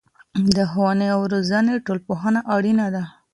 د ښوونې او روزنې ټولنپوهنه اړينه ده.